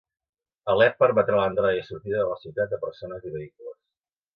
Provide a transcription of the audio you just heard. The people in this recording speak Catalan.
Alep permetrà l'entrada i sortida de la ciutat a persones i vehicles